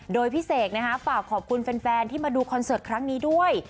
โดยพี่เสกฝากขอบคุณแฟนที่มาดูคอนเสิร์ตครั้งนี้ด้วย